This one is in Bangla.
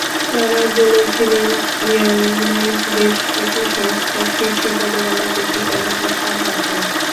তাঁরা বলেছিলেন, ইয়াঙ্গুনে বেশ কটি সংস্থায় শীর্ষ পদে বাংলাদেশি কর্মকর্তা আছেন।